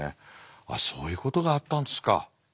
ああそういうことがあったんですか。